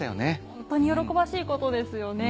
ホントに喜ばしいことですよね。